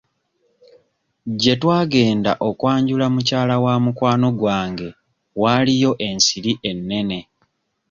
Gye twagenda okwanjula mukyala wa mukwano gwange waaliyo ensiri ennene.